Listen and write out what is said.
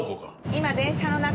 今電車の中。